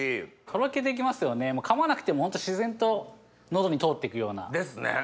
とろけて行きますよね噛まなくても自然と喉に通って行くような。ですね。